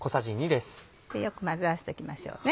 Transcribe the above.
よく混ぜ合わせておきましょうね。